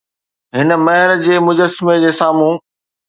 هن مهر جي مجسمي جي سامهون